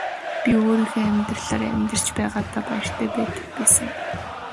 Би өөрийнхөө амьдралаар амьдарч байгаадаа баяртай байдаг байсан.